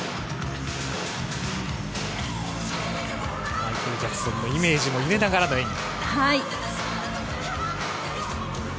マイケル・ジャクソンのイメージも入れながらの演技。